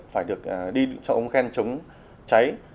phải được đi cho ống khen chống cháy